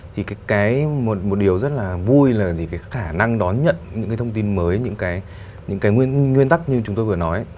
thì một điều rất là vui là gì cái khả năng đón nhận những cái thông tin mới những cái nguyên tắc như chúng tôi vừa nói